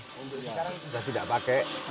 sekarang sudah tidak pakai